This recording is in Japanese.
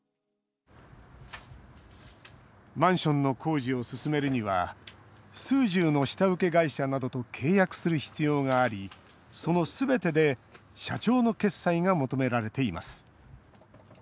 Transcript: マンションの工事を進めるには数十の下請け会社などと契約する必要がありそのすべてで社長の決裁が求められています。